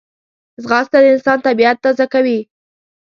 ځغاسته د انسان طبیعت تازه کوي